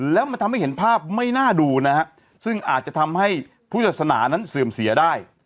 และทำให้เห็นภาพไม่น่าดูซึ่งอาจจะทำให้ภูทธศนานั้นเสื่อมเสียได้